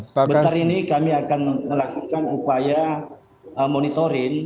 sebentar ini kami akan melakukan upaya monitoring